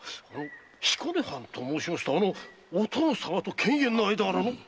彦根藩と申しますとお殿様と犬猿の間柄の？